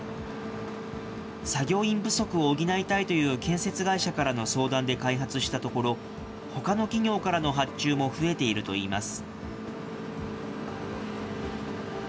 作業員不足を補いたいという建設会社からの相談で開発したところ、ほかの企業からの発注も増えているといいます。